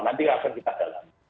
nanti akan kita dalami